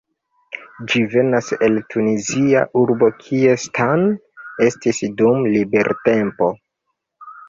Ĝi venas el Tunizia urbo kie Stan estis dum libertempo.